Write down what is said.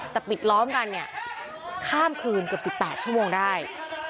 แต่ปิดล้อมกันเนี่ยข้ามคืนเกือบ๑๘ชั่วโมงได้